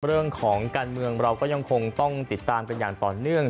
เรื่องของการเมืองเราก็ยังคงต้องติดตามกันอย่างต่อเนื่อง